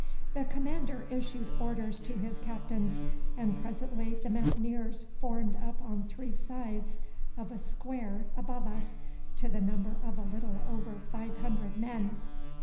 The commander issued orders to his captains, and presently the Mountaineers formed up on three sides of a square above us, to the number of a little over five hundred men.